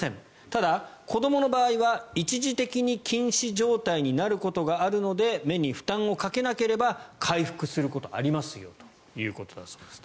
ただ、子どもの場合は一時的に近視状態になることがあるので目に負担をかけなければ回復することがありますよということだそうです。